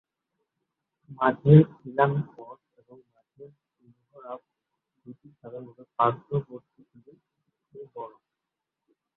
মাঝের খিলান পথ এবং মাঝের মিহরাব দুটিই সাধারণভাবে পার্শ্ববর্তীগুলির চেয়ে বড়।